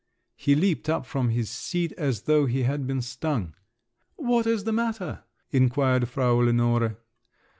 He leaped up from his seat as though he had been stung. "What is the matter?" inquired Frau Lenore.